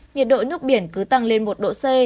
nhiệt độ nước biển cứ tăng lên một độ c